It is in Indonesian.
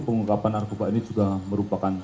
pengungkapan narkoba ini juga merupakan